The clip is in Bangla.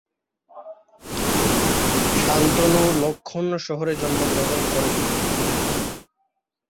শান্তনু লক্ষ্ণৌ শহরে জন্মগ্রহণ করেন।